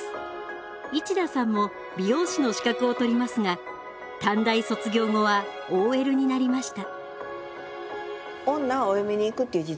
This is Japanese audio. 市田さんも美容師の資格を取りますが短大卒業後はＯＬになりました。